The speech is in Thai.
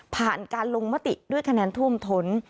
ผ่านการลงมติด้วยคะแนนท่วมท้น